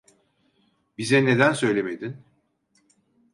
Bize neden söylemedin?